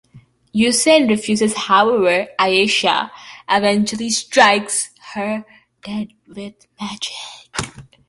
Ustane refuses, however, and Ayesha eventually strikes her dead with magic.